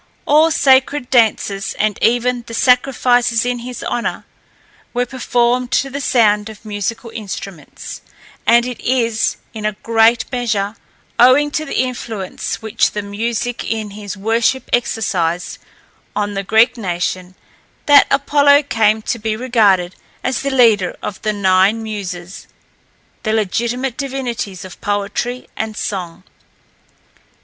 All sacred dances, and even the sacrifices in his honour, were performed to the sound of musical instruments; and it is, in a great measure, owing to the influence which the music in his worship exercised on the Greek nation, that Apollo came to be regarded as the leader of the nine Muses, the legitimate divinities of poetry and song.